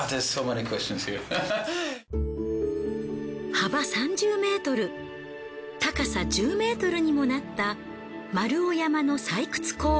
幅３０ｍ高さ１０ｍにもなった丸尾山の採掘坑。